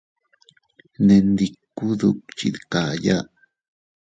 Nendikku dukchi dkayaa.